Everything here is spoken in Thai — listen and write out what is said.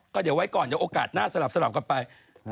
ก็เดี๋ยวไว้ก่อนโอกาสหน้าสลับกลับไป